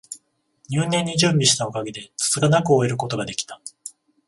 入念に準備したおかげで、つつがなく終えることが出来た